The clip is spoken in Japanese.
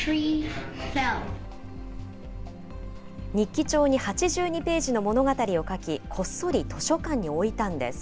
日記帳に８２ページの物語を書き、こっそり図書館に置いたんです。